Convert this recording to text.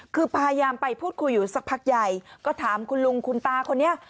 คือพยายามไปพูดคุยอยู่สักพักใหญ่ก็ถามคุณลุงคุณตาคนนี้